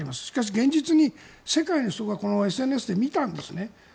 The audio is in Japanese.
しかし現実に世界の人がＳＮＳで見たんですね。